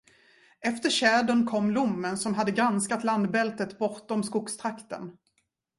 Efter tjädern kom lommen som hade granskat landbältet bortom skogstrakten.